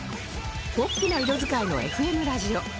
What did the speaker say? ポップな色使いの ＦＭ ラジオ